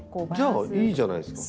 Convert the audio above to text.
じゃあいいじゃないですか。